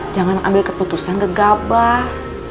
jangan ambil keputusan gegabah